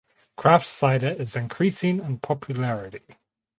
Craft cider is increasing in popularity.